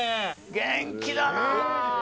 元気だな。